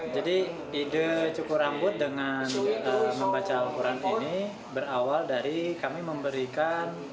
jadi ide cukur rambut dengan membaca al quran ini berawal dari kami memberikan